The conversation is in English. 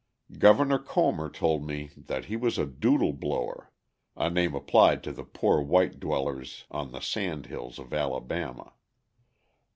Governor Comer told me that he was a "doodle blower" a name applied to the poor white dwellers on the sand hills of Alabama.